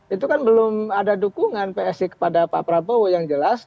itu kan belum ada dukungan psi kepada pak prabowo yang jelas